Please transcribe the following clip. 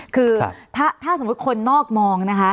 คือถ้าสมมุติคนนอกมองนะคะ